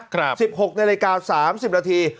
ครับสิบหกในรายการ๓๐นาที